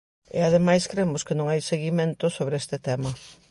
E ademais cremos que non hai seguimento sobre este tema.